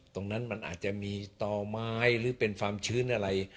ตรงนั้นมันอาจจะมีต่อไม้หรือเป็นความชื้นอะไร